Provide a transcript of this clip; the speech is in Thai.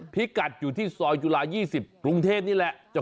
พิกัดอยู่ที่ซอยจุฬา๒๐กรุงเทพนี่แหละ